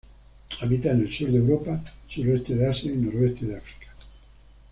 Habita en el sur de Europa, suroeste de Asia y noroeste de África.